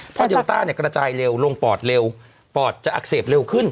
เพราะเดลต้าเนี่ยกระจายเร็วลงปอดเร็วปอดจะอักเสบเร็วขึ้น